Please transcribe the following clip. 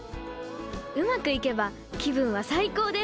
うまくいけば気分は最高です！